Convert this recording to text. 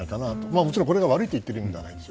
もちろん、これが悪いと言ってるんじゃないですよ。